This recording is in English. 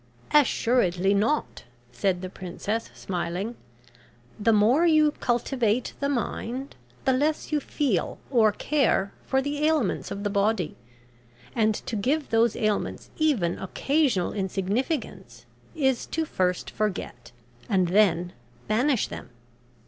"Assuredly not," said the Princess, smiling. "The more you cultivate the mind the less you feel or care for the ailments of the body, and to give those ailments even occasional insignificance, is to first forget, and then banish them.